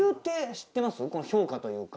評価というか。